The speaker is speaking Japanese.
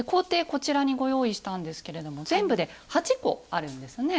こちらにご用意したんですけれども全部で８個あるんですね。